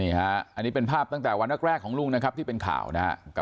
อันนี้เป็นภาพตั้งแต่วันแรกของลุงนะครับที่เป็นข่าวนะครับ